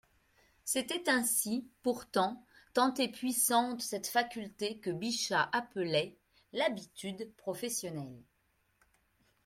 C'était ainsi, pourtant, tant est puissante cette faculté que Bichat appelait : «l'habitude professionnelle».